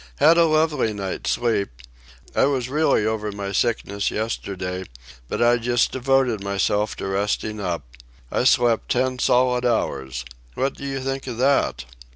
"Had a lovely night's sleep. I was really over my sickness yesterday, but I just devoted myself to resting up. I slept ten solid hours—what do you think of that?"